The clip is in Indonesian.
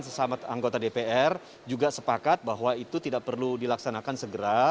sesama anggota dpr juga sepakat bahwa itu tidak perlu dilaksanakan segera